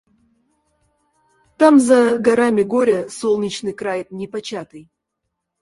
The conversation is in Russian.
Там за горами горя солнечный край непочатый.